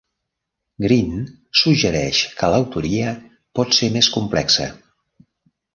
Greene suggereix que l'autoria pot ser més complexa.